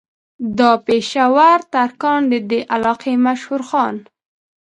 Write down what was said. دا پېشه ور ترکاڼ د دې علاقې مشهور خان